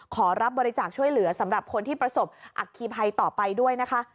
ขอรับบริจาคช่วยเหลือสำหรับคนที่ประสบอัคคีภัยต่อไปด้วยนะคะ